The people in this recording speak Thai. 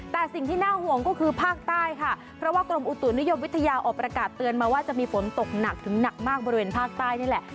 แต่สิ่งที่น่าห่วงก็คือภาคใต้ค่ะเพราะว่ากรมอุตุนิยมวิทยาออกประกาศเตือนมาว่าจะมีฝนตกหนักถึงหนักมากบริเวณภาคใต้นี่แหละ